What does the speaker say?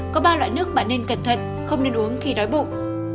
có ba loại nước bạn nên cẩn thận không nên uống khi đói bụng